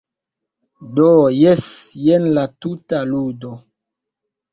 Do, jes, jen la tuta ludo.